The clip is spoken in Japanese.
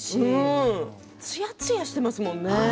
つやつやしてますよね。